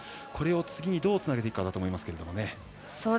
これを次にどうつなげていくかというところだと思いますけど。